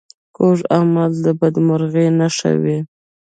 کوږ عمل د بدمرغۍ نښه وي